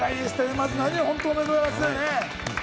まずは本当におめでとうございます。